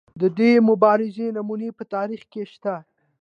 د دې مبارزې نمونې په تاریخ کې شته.